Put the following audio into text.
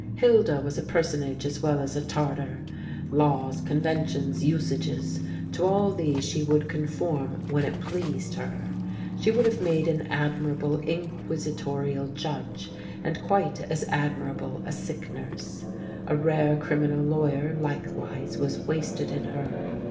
Hilda was a personage as well as a Tartar. Laws, conventions, usages to all these she would conform when it pleased her. She would have made an admirable inquisitorial judge, and quite as admirable a sick nurse. A rare criminal lawyer, likewise, was wasted in her.